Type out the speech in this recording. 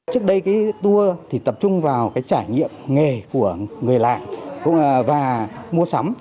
trước đây cái tour thì tập trung vào cái trải nghiệm nghề của người làng và mua sắm